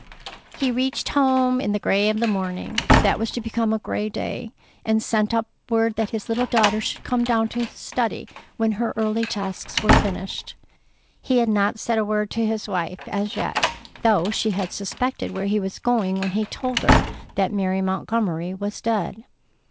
He reached home in the gray of a morning that was to become a gray day, and sent up word that his little daughter should come down to his study when her early tasks were finished. He had not said a word to his wife as yet, though she had suspected where he was going when he told her that Mary Montgomery was dead.